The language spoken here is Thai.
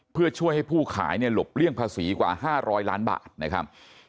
เพื่อช่วยให้ผู้ขายเนี่ยหลบเลี่ยงภาษีกว่า๕๐๐ล้านบาทนะครับ